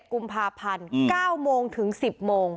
กุมภาพันธ์๙โมงถึง๑๐โมง